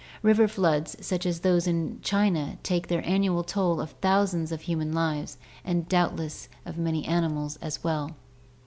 River floods such as those of China take their annual toll of thousands of human lives and doubtless of NATURAL SELECTION 107 many animals as well.